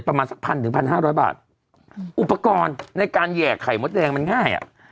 ประมาณสักพันถึง๑๕๐๐บาทอุปกรณ์ในการแยกไข่มดแดงมันง่าย